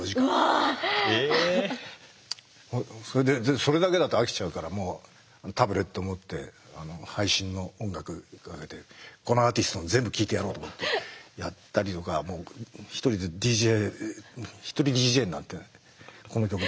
それだけだと飽きちゃうからタブレット持って配信の音楽かけてこのアーティストの全部聞いてやろうと思ってやったりとか一人でＤＪ一人ＤＪになって「この曲だ。